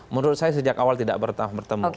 menurut saya sejak awal tidak bertahap bertemu